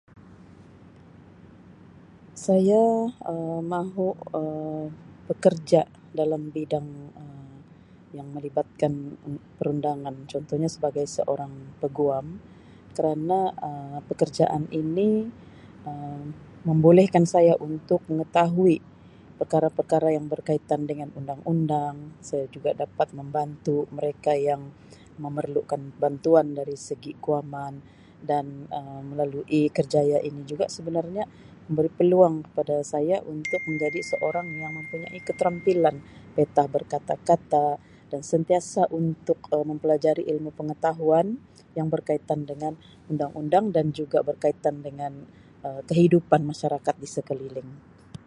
Saya Um mahu Um bekerja dalam bidang Um yang melibatkan perundangan contohnya sebagai seorang peguam kerana Um pekerjaan ini Um membolehkan saya untuk mengetahui perkara-perkara yang berkaitan dengan undang-undang saya juga dapat membantu mereka yang memerlukan bantuan dari segi guaman dan Um melalui kerjaya ini juga sebenarnya memberi peluang kepada saya untuk menjadi seorang yang mempunyai keterampilan petah berkata kata dan sentiasa untuk Um mempelajari ilmu pengetahuan yang berkaitan dengan undang-undang dan juga berkaitan dengan Um kehidupan masyarakat di sekeliling.